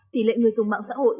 tỷ lệ người dùng mạng xã hội